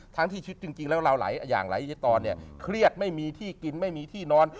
ทั้งที่ชีวิตจริงแล้วเราหลายอย่างหลายตอนเนี่ยเครียดไม่มีที่กินไม่มีที่นอน